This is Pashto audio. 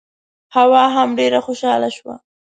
حوا هم ډېره خوشاله شوه.